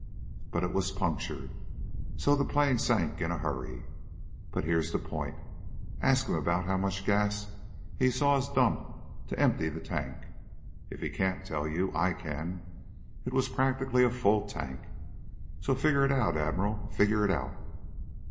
But it was punctured, so the plane sank in a hurry. But here's the point. Ask him about how much gas he saw us dump to empty the tank. If he can't tell you, I can. It was practically a full tank! So figure it out, Admiral, figure it out.